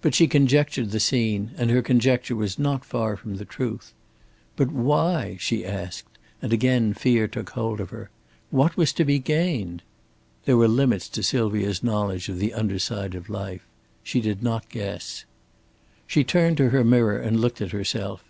But she conjectured the scene, and her conjecture was not far from the truth. But why? she asked, and again fear took hold of her. "What was to be gained?" There were limits to Sylvia's knowledge of the under side of life. She did not guess. She turned to her mirror and looked at herself.